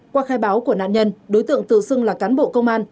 qua khai báo của nạn nhân đối tượng tự xưng là cán bộ công an